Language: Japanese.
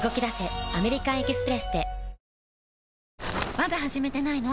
まだ始めてないの？